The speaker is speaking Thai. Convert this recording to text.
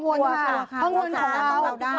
เพราะเงินของเรา